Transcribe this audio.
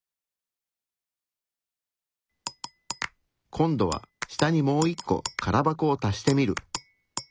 今度は下にもう１個空箱を足してみる。